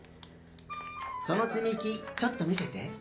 そのつみきちょっとみせて。